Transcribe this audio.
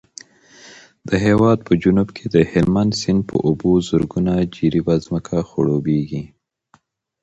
د هېواد په جنوب کې د هلمند سیند په اوبو زرګونه جریبه ځمکه خړوبېږي.